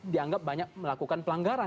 dianggap banyak melakukan pelanggaran